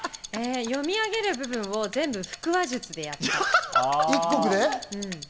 読み上げる部分を全部、腹話術でやった。